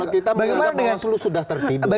kalau kita menganggap bawaslu sudah tertidur